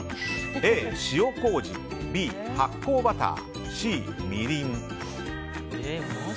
Ａ、塩麹Ｂ、発酵バターＣ、みりん。